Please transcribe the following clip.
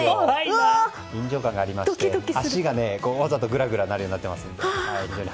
臨場感がありまして足がわざとグラグラなるようになっています。